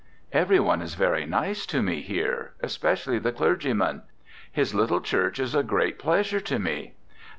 "Everyone is very nice to me here, especially the clergyman. His little church is a great pleasure to me.